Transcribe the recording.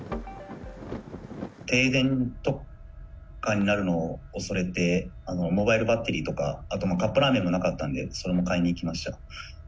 停電とかになるのを恐れて、モバイルバッテリーとか、あとカップラーメンもなかったんで、それも買いに行きました。